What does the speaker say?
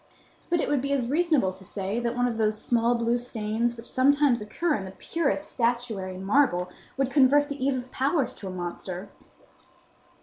But it would be as reasonable to say that one of those small blue stains which sometimes occur in the purest statuary marble would convert the Eve of Powers to a monster.